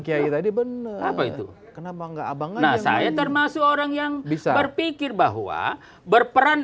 kira kira di bener kenapa enggak abang nah saya termasuk orang yang bisa berpikir bahwa berperan